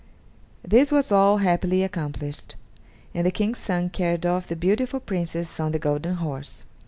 This was all happily accomplished, and the King's son carried off the beautiful Princess on the golden horse.